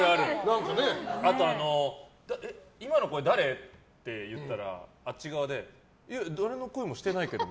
あと今の声、誰？って言ったらあっち側で、誰の声もしてないけど？